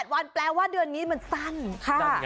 ๒๘วันแปลว่าเดือนนี้จะสั้นค่ะ